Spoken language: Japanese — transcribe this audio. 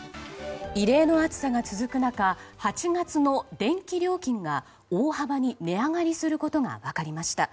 異例の暑さが続く中８月の電気料金が大幅に値上がりすることが分かりました。